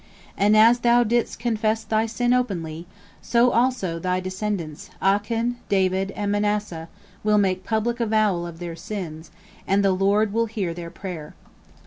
And as thou didst confess thy sin openly, so also thy descendants, Achan, David, and Manasseh, will make public avowal of their sins, and the Lord will hear their prayer.